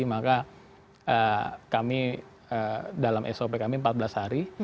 maka kami dalam sop kami empat belas hari